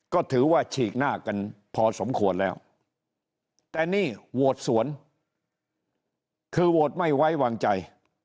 ก็ถือว่าฉีกหน้ากันพอสมควรแล้วแต่นี่โหวตสวนคือโหวตไม่ไว้วางใจ